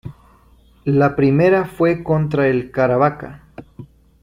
La primera fue contra el Caravaca.